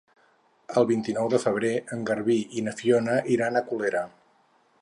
El vint-i-nou de febrer en Garbí i na Fiona iran a Colera.